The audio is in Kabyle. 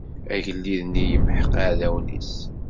Agellid-nni yemḥeq iɛdawen-nnes.